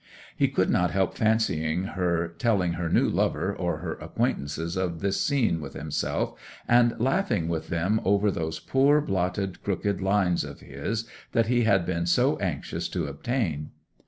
He could not help fancying her telling her new lover or her acquaintances of this scene with himself, and laughing with them over those poor blotted, crooked lines of his that he had been so anxious to obtain.